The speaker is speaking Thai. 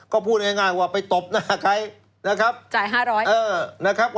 ก็พูดง่ายว่าไปตบหน้าใครนะครับ